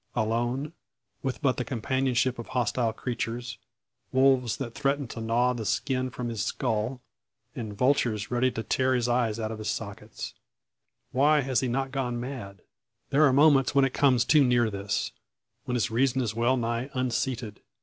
Alone with but the companionship of hostile creatures wolves that threaten to gnaw the skin from his skull, and vultures ready to tear his eyes out of their sockets. Why has he not gone mad? There are moments when it comes too near this, when his reason is well nigh unseated.